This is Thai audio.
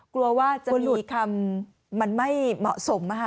กลัวว่าจะมีคำมันไม่เหมาะสม